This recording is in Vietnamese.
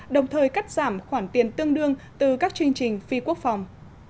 đồng thời cắt giảm khoản tiền tương đương từ các chương trình phi quốc phòng